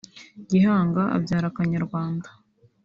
Gihanga abyara Kanyarwanda